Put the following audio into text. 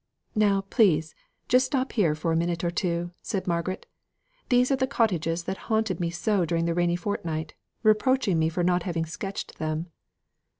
"Now, please, just stop here for a minute or two," said Margaret. "These are the cottages that haunted me so during the rainy fortnight, reproaching me for not having sketched them."